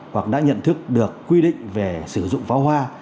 hoặc đã nhận thức được quy định về sử dụng pháo hoa